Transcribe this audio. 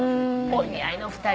お似合いの２人。